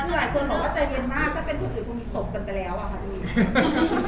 หลายคนบอกว่าใจเย็นมากถ้าเป็นคนอื่นคงตกกันไปแล้วอะค่ะพี่